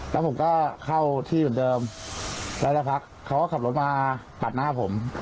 แล้วผมก็เข้าที่เหมือนเดิมแล้วสักพักเขาก็ขับรถมาปัดหน้าผม